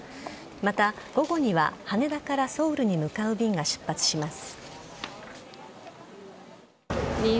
また、午後には羽田からソウルに向かう便が出発します。